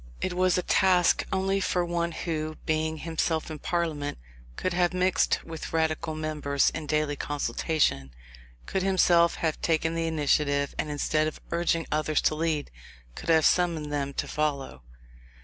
It was a task only for one who, being himself in Parliament, could have mixed with the Radical members in daily consultation, could himself have taken the initiative, and instead of urging others to lead, could have summoned them to follow.